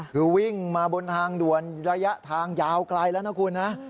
คือวิ่งมาบนทางด่วนระยะทางยาวไกลแล้วนะคุณนะ